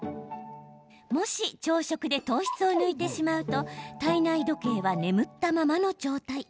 もし朝食で糖質を抜いてしまうと体内時計は眠ったままの状態。